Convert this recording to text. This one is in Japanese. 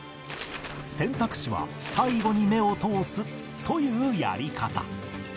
選択肢は最後に目を通すというやり方